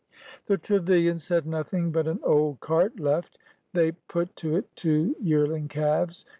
The Trevilians had nothing but an old cart left. They put to it two yearling calves.